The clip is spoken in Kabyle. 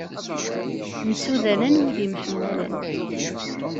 Msudanen wid yemḥemmalen.